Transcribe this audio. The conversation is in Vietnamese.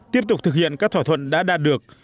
tiếp tục thực hiện các thỏa thuận đã đạt được